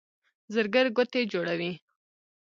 زرګر ګوتې جوړوي.